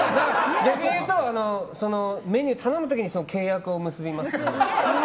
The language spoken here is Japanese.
逆に言うとメニューを頼む時に契約を結びます。